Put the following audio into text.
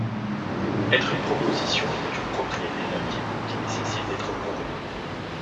Être une proposition est une propriété d'un type qui nécessite d'être prouvée.